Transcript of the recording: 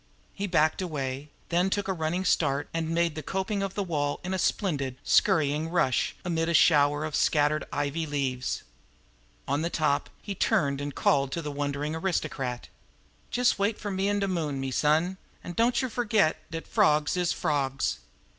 He backed away, then took a running start and made the coping of the wall in a splendid, scurrying rush, amid a shower of scattered ivy leaves. On the top he turned and called to the wondering aristocrat: "Jes' wait fer me an' de moon, me son, an' dontcher fergit dat frawgs is frawgs!"